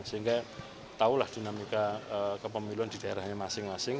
sehingga tahulah dinamika kepemiluan di daerahnya masing masing